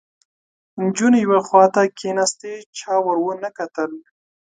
نجونې یوې خواته کېناستې، چا ور ونه کتل